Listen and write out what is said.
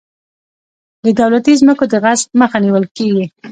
د دولتي ځمکو د غصب مخه نیول کیږي.